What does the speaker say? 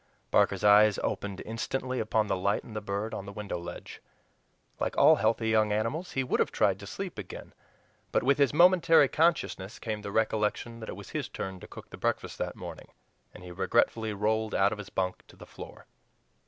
Barker's eyes opened instantly upon the light and the bird on the window ledge. Like all healthy young animals he would have tried to sleep again, but with his momentary consciousness came the recollection that it was his turn to cook the breakfast that morning, and he regretfully rolled out of his bunk to the floor.